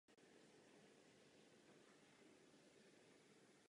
Své první divadelní angažmá absolvoval ve Státním divadle v Brně.